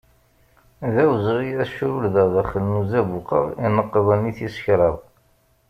D awezɣi ad crurdeɣ daxel n uzabuq-a ineqqen i tis kraḍ.